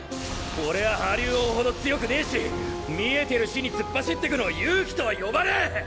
俺は破竜王ほど強くねえし見えてる死に突っ走ってくのを勇気とは呼ばねえ！